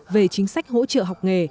về chính sách hỗ trợ học nghề